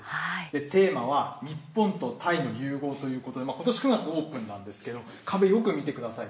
テーマは日本とタイの融合ということで、ことし９月オープンなんですけれども、壁、よく見てください。